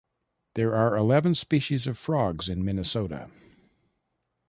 There are eleven species of frogs in Minnesota.